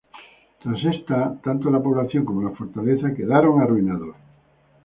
Tras esta, tanto la población como la fortaleza quedaron arruinados.